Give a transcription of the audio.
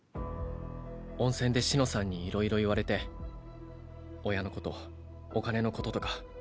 温泉で紫乃さんにいろいろ言われて親のことお金のこととか。